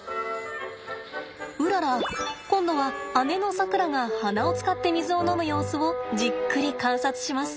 うらら今度は姉のさくらが鼻を使って水を飲む様子をじっくり観察します。